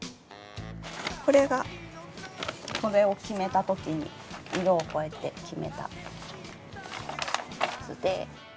これがこれを決めた時に色をこうやって決めた図で。